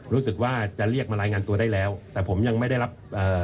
รู้สึกว่าจะเรียกมารายงานตัวได้แล้วแต่ผมยังไม่ได้รับเอ่อ